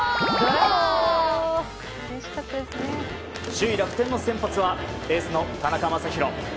首位、楽天の先発はエースの田中将大。